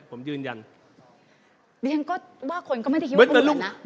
ผมยืนยันดิฉันก็ว่าคนก็ไม่ได้คิดว่าคนอื่นนะ